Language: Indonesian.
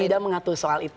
tidak mengatur soal itu